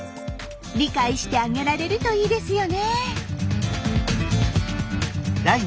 理解してあげられるといいですよね。